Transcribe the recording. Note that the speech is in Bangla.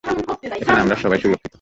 এখানে আমরা সবাই সুরক্ষিত।